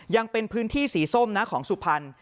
ยังเป็นพื้นที่สีส้มนะของสุพรรณ